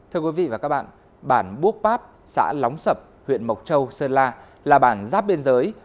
thưa quý vị và các bạn bản búc páp xã lóng sập huyện mộc châu sơn la là bản giáp biên giới